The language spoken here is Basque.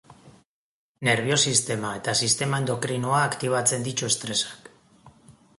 Nerbio-sistema eta sistema endokrinoa aktibatzen ditu estresak.